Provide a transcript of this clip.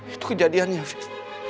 itu kejadiannya viv